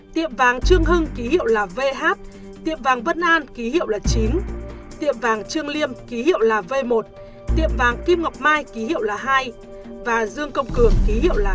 tiệm vàng trương hưng ký hiệu là vh tiệm vàng vân an ký hiệu là chín tiệm vàng trương liêm ký hiệu là v một tiệm vàng kim ngọc mai ký hiệu là hai và dương công cường ký hiệu là